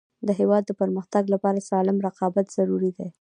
د هیواد د پرمختګ لپاره سالم رقابت ضروري دی.